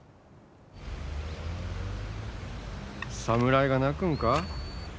侍が泣くんか？